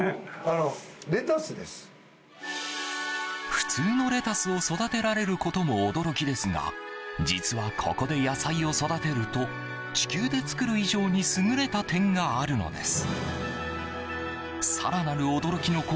普通のレタスを育てられることも驚きですが実はここで野菜を育てると地球で作る以上に優れた点があるのです。